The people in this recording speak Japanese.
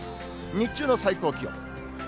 日中の最高気温。